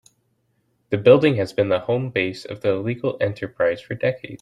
The building has been the home base of the illegal enterprise for decades.